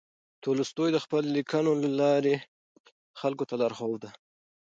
تولستوی د خپلو لیکنو له لارې خلکو ته لاره وښوده.